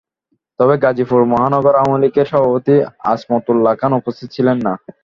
তবে গাজীপুর মহানগর আওয়ামী লীগের সভাপতি আজমত উল্লা খান উপস্থিত ছিলেন না।